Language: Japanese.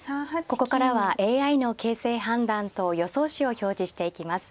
ここからはＡＩの形勢判断と予想手を表示していきます。